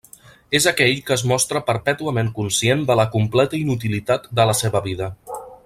És aquell que es mostra perpètuament conscient de la completa inutilitat de la seva vida.